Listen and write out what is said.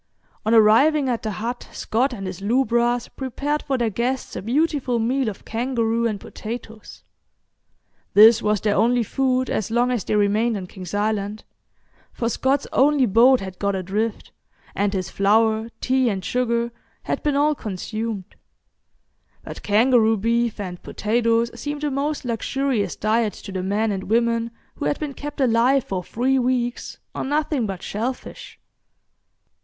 On arriving at the hut Scott and his lubras prepared for their guests a beautiful meal of kangaroo and potatoes. This was their only food as long as they remained on King's Island, for Scott's only boat had got adrift, and his flour, tea, and sugar had been all consumed. But kangaroo beef and potatoes seemed a most luxurious diet to the men and women who had been kept alive for three weeks on nothing but shellfish.